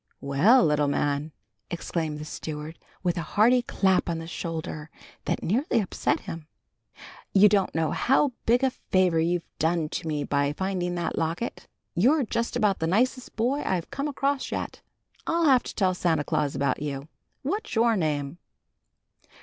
"Well, little man!" exclaimed the steward, with a hearty clap on the shoulder that nearly upset him. "You don't know how big a favor you've done me by finding that locket. You're just about the nicest boy I've come across yet. I'll have to tell Santa Claus about you. What's your name?"